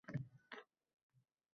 qalbni larzaga keltiradigan edi.